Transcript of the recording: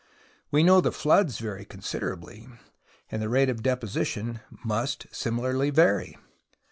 We know the floods vary considerably, and the rate of deposition must vary similarly.